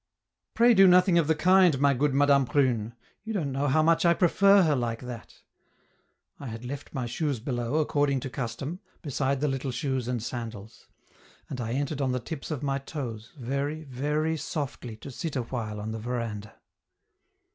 "Pray do nothing of the kind, my good Madame Prune; you don't know how much I prefer her like that!" I had left my shoes below, according to custom, beside the little shoes and sandals; and I entered on the tips of my toes, very, very, softly to sit awhile on the veranda.